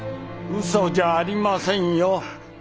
嘘じゃありませんよ。